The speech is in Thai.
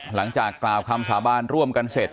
หลังจากกล่าวคำสาบานร่วมกันเสร็จ